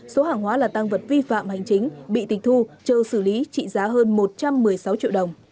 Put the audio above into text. số hàng hóa là tăng vật vi phạm hành chính bị tịch thu chờ xử lý trị giá hơn một trăm một mươi sáu triệu đồng